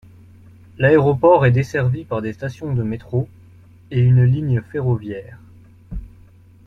L'aéroport est desservi par des stations de métro, et une ligne ferroviaire.